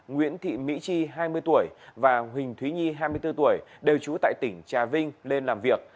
nguyễn thị mỹ chi hai mươi tuổi và huỳnh thúy nhi hai mươi bốn tuổi đều trú tại tỉnh trà vinh lên làm việc